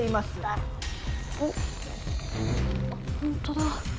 あほんとだ。